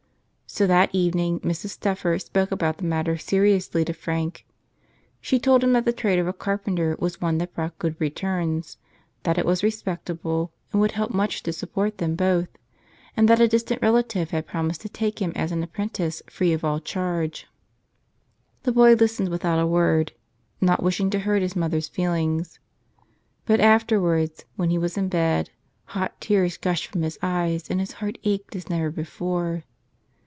So that evening Mrs. Steffer spoke about the matter seriously to Frank. She told him that the trade of a carpenter was one that brought good returns, that it was respectable and would help much to support them both, and that a distant relative had promised to take him as an apprentice free of all charge. The boy list¬ ened without a word, not wishing to hurt his mother's feelings. But afterwards, when he was in bed, hot tears gushed from his eyes and his heart ached as never before.